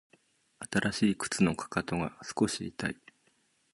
新しい靴のかかとが少し痛い